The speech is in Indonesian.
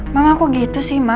mama kok gitu sih ma